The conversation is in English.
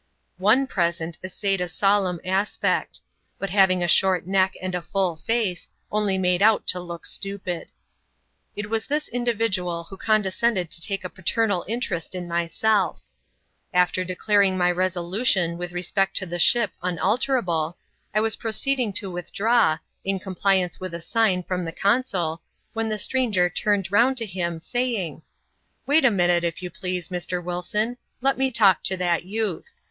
One present essayed a solemn aspect ; but haying a short neck and a fuU face, only made out to look stupid. CHAP. XXX.] THE\ TAKE US ASHORE. 115 It was this individual who condescended to take a paternal interest in mjselC After declaring my resolution with respect to the ship unalterable, I was proceeding to withdraw, in com pliance with a sign £rom the consul, when the stranger turned round to him, saying, " Wait a minute, if you please, Mr. Wil flOQ ; let me talk to that youth.